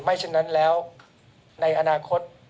ไม่เช่นนั้นแล้วในอนาคต